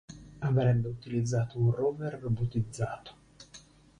Avrebbe utilizzato un rover robotizzato.